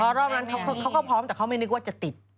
รอบนั้นเขาก็พร้อมแต่เขาไม่นึกว่าจะติด